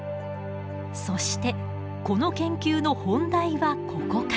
そしてこの研究の本題はここから。